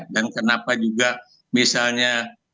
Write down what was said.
kenapa juga misalnya